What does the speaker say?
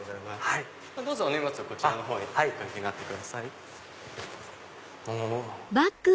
どうぞお荷物こちらのほうへお掛けになってください。